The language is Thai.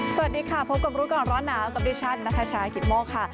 สวัสดีค่ะพบกับรู้ก่อนร้อนหนาวกับดิฉันนัทชายกิตโมกค่ะ